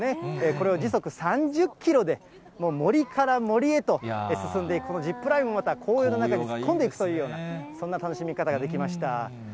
これを時速３０キロで、もう森から森へと進んでいくこのジップラインも、また紅葉の中に突っ込んでいくというような、そんな楽しみ方ができました。